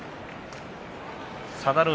佐田の海